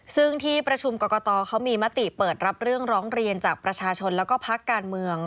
ซึ่งที่ประชุมกรกตเขามีมติเปิดรับเรื่องร้องเรียนจากประชาชนแล้วก็พักการเมือง